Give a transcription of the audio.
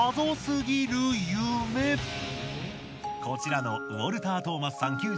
こちらのウォルター・トーマスさん